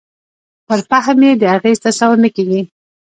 پر فهم یې د اغېز تصور نه کېږي.